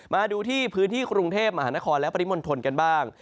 มาดูที่พื้นที่กรุงเทพมหานครและปริมณฑลกันบ้าง